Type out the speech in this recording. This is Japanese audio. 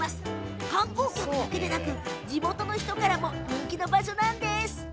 観光客だけでなく地元の人からも人気の場所です。